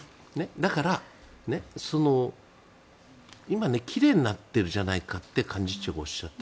だから、今奇麗になっているじゃないかって幹事長がおっしゃった。